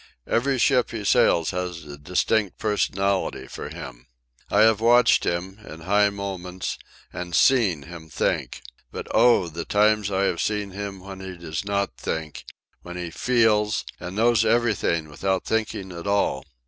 Every ship he sails has a distinct personality for him. I have watched him, in high moments, and seen him think. But oh! the times I have seen him when he does not think—when he feels and knows everything without thinking at all.